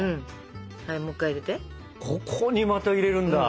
ここにまた入れるんだ。